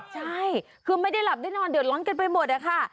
ใช่คือไม่ได้หลับได้นอนเดือดร้อนกันไปหมดอะค่ะ